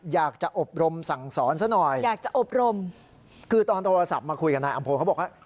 อยากจะอบรมสั่งสอนซะหน่อยอยากจะอบรมคือตอนโทรศัพท์มาคุยกับนายอำพลเขาบอกว่า